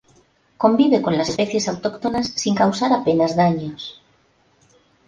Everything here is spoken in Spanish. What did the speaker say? Convive con las especies autóctonas sin causar apenas daños.